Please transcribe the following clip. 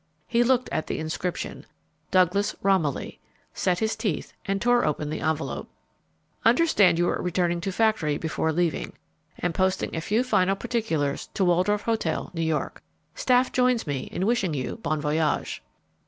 He looked at the inscription Douglas Romilly set his teeth and tore open the envelope: Understood you were returning to factory before leaving. Am posting a few final particulars to Waldorf Hotel, New York. Staff joins me in wishing you bon voyage.